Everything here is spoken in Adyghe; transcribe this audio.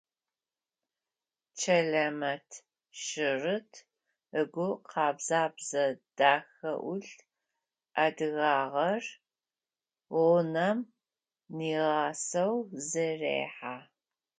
Чэлэмэт шъырыт, ыгу къабзэ, бзэ дахэ ӏулъ, адыгагъэр гъунэм нигъэсэу зэрехьэ.